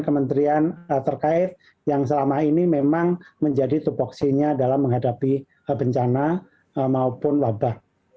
kemudian juga diberikan oleh kementerian kementerian terkait yang selama ini memang menjadi topoksinya dalam menghadapi bencana maupun wabah